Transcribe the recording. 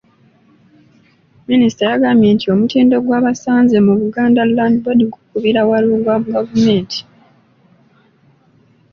Minisita yagambye nti omutindo gwe baasanze mu Buganda Land Board gukubira wala ogwa gavumenti.